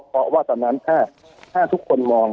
เพราะว่าตอนนั้นถ้าทุกคนมอง